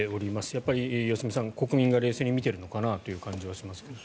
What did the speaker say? やっぱり良純さん国民が冷静に見ているのかなという感じがしますが。